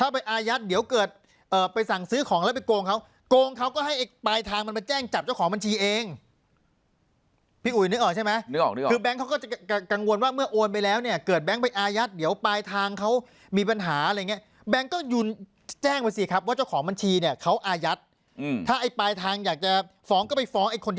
ไปอายัดเดี๋ยวเกิดไปสั่งซื้อของแล้วไปโกงเขาโกงเขาก็ให้ไอ้ปลายทางมันมาแจ้งจับเจ้าของบัญชีเองพี่อุ๋ยนึกออกใช่ไหมนึกออกเดียวคือแก๊งเขาก็จะกังวลว่าเมื่อโอนไปแล้วเนี่ยเกิดแบงค์ไปอายัดเดี๋ยวปลายทางเขามีปัญหาอะไรอย่างเงี้แบงค์ก็แจ้งไปสิครับว่าเจ้าของบัญชีเนี่ยเขาอายัดถ้าไอ้ปลายทางอยากจะฟ้องก็ไปฟ้องไอ้คนที่